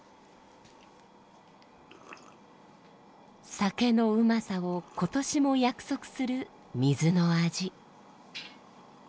酒のうまさを今年も約束する水の味。